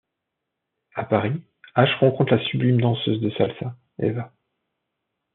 À Paris, Ash rencontre la sublime danseuse de salsa, Eva.